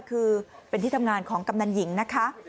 คือเป็นที่ทำงานของกำนันหญิงนะคะ